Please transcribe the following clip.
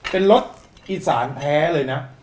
เป็นรสอีสานแพ้เลยนะ